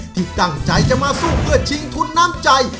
ที่ตั้งใจจะมาสู้เพื่อชิงทุนน้ำใจ